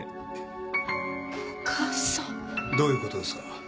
どういうことですか？